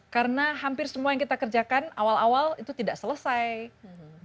karena hampir semua yang kita kerjakan awal awal itu tidak selesai buruk kita ngerasa gak happy dan sebagainya